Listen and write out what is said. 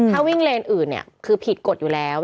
ถ้าวิ่งเลนอื่นคือผิดกฎอยู่แล้ว